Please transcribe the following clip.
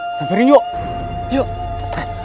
itu cewek itu yang nangis